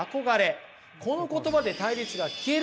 この言葉で対立が消えるわけです。